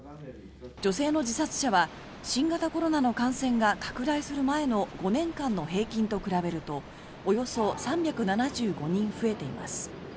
女性の自殺者は新型コロナの感染が拡大する前の５年間の平均と比べるとおよそ３７５人増えています。